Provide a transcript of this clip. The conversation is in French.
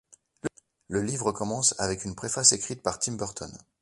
Le livre commence avec une préface écrite par Tim Burton.